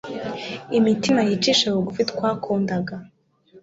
Imitima yicisha bugufi twakundaga